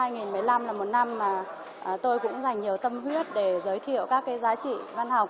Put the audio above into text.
năm hai nghìn một mươi năm là một năm mà tôi cũng dành nhiều tâm huyết để giới thiệu các giá trị văn học